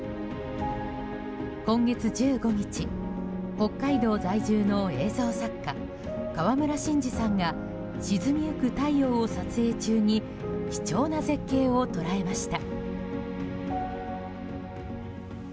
今月１５日、北海道在住の映像作家、川村伸司さんが沈みゆく太陽を撮影中に貴重な絶景を捉えました。